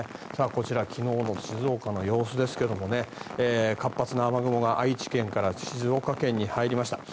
こちら、昨日の静岡の様子ですが活発な雨雲が愛知県から静岡県に入りました。